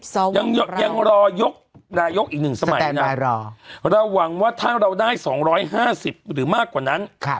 ยังรอยกนายกอีกหนึ่งสมัยนะเราหวังว่าถ้าเราได้๒๕๐หรือมากกว่านั้น